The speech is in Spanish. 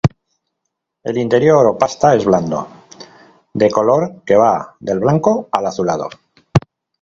El interior o pasta es blando, de color que va del blanco al azulado.